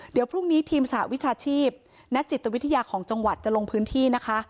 เดี๋ยวพรุ่งนี้ทีมสหวิชาชีพนักจิตวิทยาของจังหวัดจะลงพื้นที่นะคะ